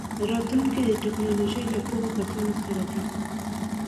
راتلونکی د ټیکنالوژۍ له پوهو کسانو سره دی.